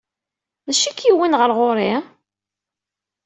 D acu i k-yewwin ɣer ɣur-i?